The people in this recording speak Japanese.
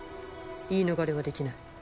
言い逃れはできない。